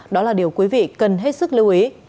đó là điều quý vị cần hết sức lưu ý